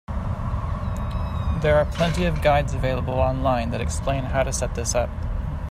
There are plenty of guides available online that explain how to set this up.